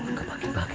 nggak pake pake lagi